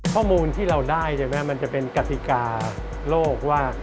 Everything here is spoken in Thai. ข้อมูลที่เราได้ใช่ไหมมันจะเป็นกติกาโลกว่า